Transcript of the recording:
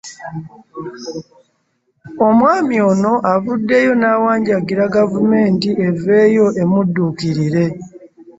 Omwami ono avuddeyo n'awanjagira gavumenti eveeyo emudduukirire.